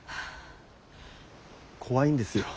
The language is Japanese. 怖いんですよ